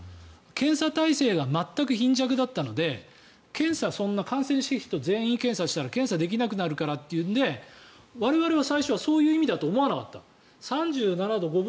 検査体制が全く貧弱だったのでそんな感染する人全員検査したら検査できなくなるからというのとで我々は最初はそういう意味だとは思わなかった。